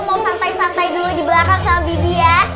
mau santai santai dulu di belakang sama bibi ya